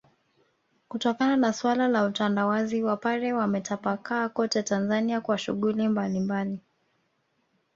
kutokana na suala la utandawazi Wapare wametapakaa kote Tanzania kwa shughuli mbalimbali